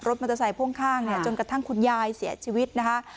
มอเตอร์ไซค่วงข้างเนี่ยจนกระทั่งคุณยายเสียชีวิตนะคะ